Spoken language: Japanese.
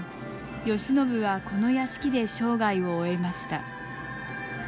慶喜はこの屋敷で生涯を終えました。